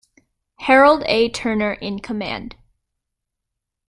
Harold A. Turner in command.